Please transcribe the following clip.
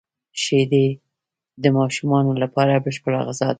شیدې د ماشوم لپاره بشپړه غذا ده